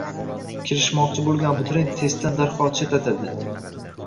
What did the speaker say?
Kirishmoqchi bo'lgan abituriyent testdan darhol chetlatiladi